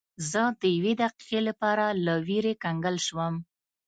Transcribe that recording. زه د یوې دقیقې لپاره له ویرې کنګل شوم.